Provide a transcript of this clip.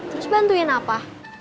terus bantuin apa